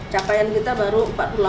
capaian kita baru empat puluh delapan